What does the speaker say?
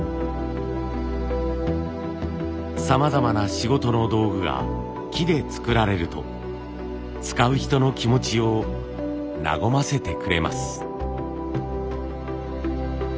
さまざまな仕事の道具が木で作られると使う人の気持ちを和ませてくれます。